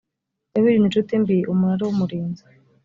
jya wirinda incuti mbi umunara w’umurinzi